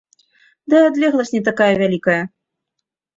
Да і адлегласць не такая вялікая.